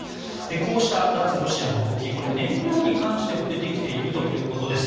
こうした脱ロシアの動き燃料に関しても出てきているということです。